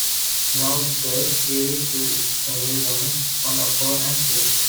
Now, the series reruns on Up and Fuse.